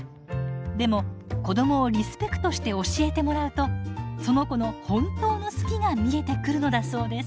でも子どもをリスペクトして教えてもらうとその子の本当の「好き」が見えてくるのだそうです。